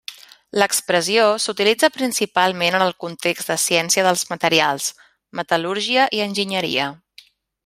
L'expressió s'utilitza principalment en el context de ciència dels materials, metal·lúrgia i enginyeria.